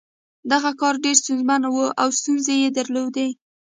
دغه کار ډېر ستونزمن و او ستونزې یې درلودې